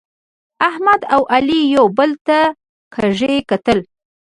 احمد او علي یو بل ته کږي کتل.